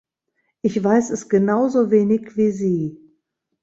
Ich weiß es genausowenig wie Sie.